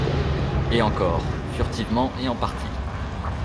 Et encore, furtivement et en partie.